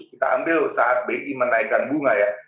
kita ambil saat bi menaikkan bunga ya